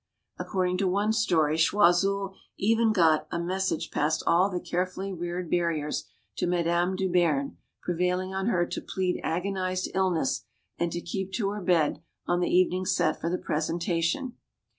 According to one story, Choiseul even got a mes sage past all the carefully reared barriers to Madame de Beam, prevailing on her to plead agonized illness and to keep to her bed on the evening set for the presentation.